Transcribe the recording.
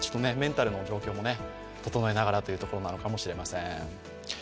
メンタルの状況も整えながらというところなのかもしれません。